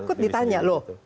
takut ditanya loh